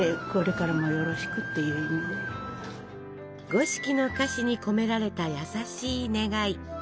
五色の菓子に込められた優しい願い。